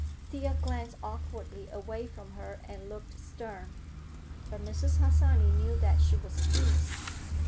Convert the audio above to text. Thea glanced awkwardly away from her and looked stern, but Mrs. Harsanyi knew that she was pleased.